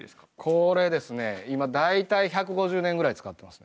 これですね今大体１５０年ぐらい使ってます。